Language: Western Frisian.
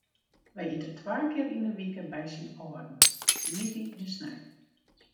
Wy ite twa kear yn de wike by syn âlden, op tiisdei en snein.